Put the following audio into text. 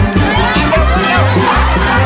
ไปเย็นลูกตอน